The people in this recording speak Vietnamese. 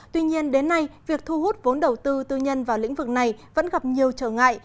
tuy nhiên đến nay việc thu hút vốn đầu tư tư nhân vào lĩnh vực này vẫn gặp nhiều trở ngại